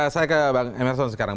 saya ke bang emerson sekarang